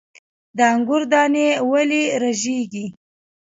د انګورو دانې ولې رژیږي؟